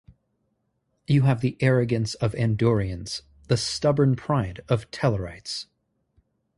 You have the arrogance of Andorians, the stubborn pride of Tellarites.